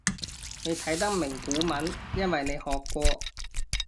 你睇得明古文因為你學過